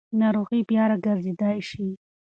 ناروغي بیا راګرځېدای شي.